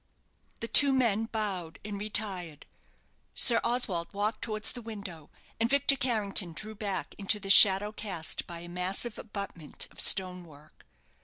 The two men bowed and retired. Sir Oswald walked towards the window: and Victor Carrington drew back into the shadow cast by a massive abutment of stone work.